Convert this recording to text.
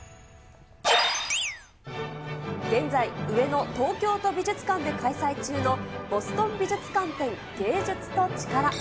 現在、上野・東京都美術館で開催中の、ボストン美術館展芸術×力。